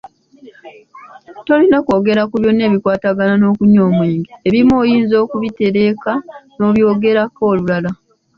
Tolina kwogera ku byonna ebikwatagana n’okunywa omwenge, ebimu oyinza obitereka n’obyogerako olulala.